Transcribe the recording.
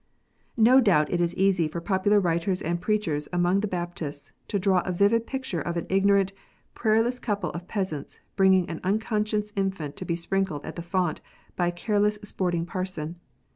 No doubt it is easy for popular writers and preachers among the Baptists, to draw a vivid picture of an ignorant, prayerless couple of peasants, bringing an unconscious infant to be sprinkled at the font by a careless sporting parson